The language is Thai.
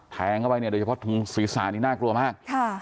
แทงเข้าไปเนี่ยโดยเฉพาะถุงศีรษะนี่น่ากลัวมาก